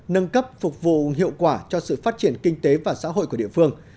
nâng cấp phục vụ hiệu quả cho sự phát triển kinh tế và xã hội của địa phương